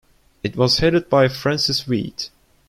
It was headed by Francis Wheat.